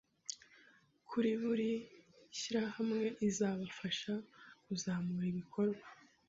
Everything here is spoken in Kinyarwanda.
kuri buri shyirahamawe izabafasha kuzamura ibikorwa